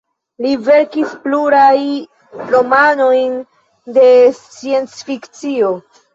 Li verkis pluraj romanojn de sciencfikcio.